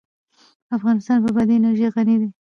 افغانستان په بادي انرژي غني دی.